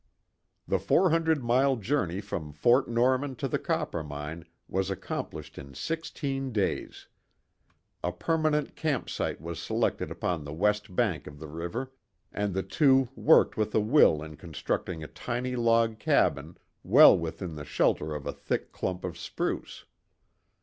The four hundred mile journey from Fort Norman to the Coppermine was accomplished in sixteen days. A permanent camp site was selected upon the west bank of the river, and the two worked with a will in constructing a tiny log cabin, well within the shelter of a thick clump of spruce.